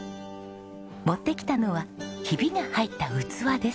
持ってきたのはヒビが入った器です。